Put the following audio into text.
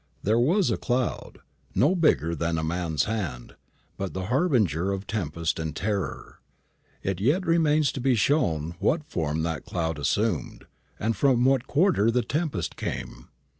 There was a cloud, no bigger than a man's hand, but the harbinger of tempest and terror. It yet remains to be shown what form that cloud assumed, and from what quarter the tempest came.